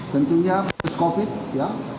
tentunya proses covid ya